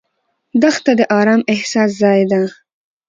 دښته د ارام احساس ځای ده.